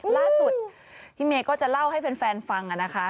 ล่าสุดพี่เมย์ก็จะเล่าให้แฟนฟังนะคะ